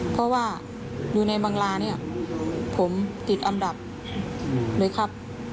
เพราะว่าอยู่ในบังลาเนี่ยผมติดอันดับเลยครับ